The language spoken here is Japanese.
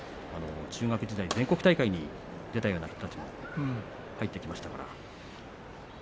中学時代、全国大会に出たような人たちも入ってきましたから。